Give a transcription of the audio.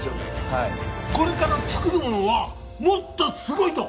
はいこれから作るものはもっとすごいと？